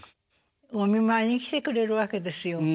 お見舞いに来てくれるわけですよ。